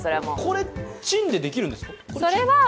これ、チンでできるんですか？